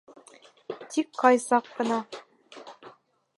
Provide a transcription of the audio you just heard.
Тик ҡай саҡ ҡына...